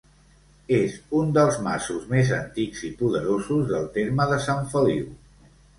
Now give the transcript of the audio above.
És un dels masos més antics i poderosos del terme de Sant Feliu.